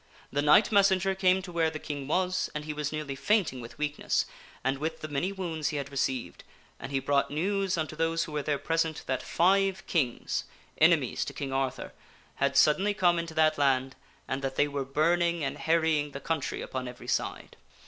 The knight messenger came to where the King was, and he was nearly fainting with weakness and with the many wounds he had received, and he brought news unto those who were there present that five kings, enemies to King Arthur, had suddenly come into that land and that they were burning and harrying the country upon every side.